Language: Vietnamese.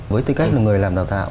với tính cách là người làm đào tạo